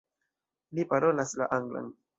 Li parolas la anglan.